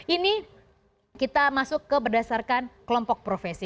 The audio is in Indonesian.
ini kita masuk ke berdasarkan kelompok profesi